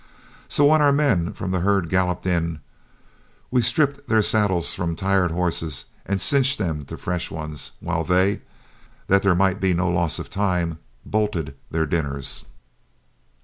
So when our men from herd galloped in, we stripped their saddles from tired horses and cinched them to fresh ones, while they, that there might be no loss of time, bolted their dinners.